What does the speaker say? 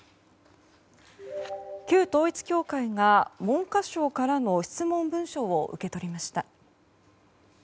旧統一教会が文科省からの質問文書を受け取りました。